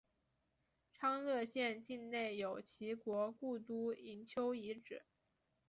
昌乐县境内有齐国故都营丘遗址。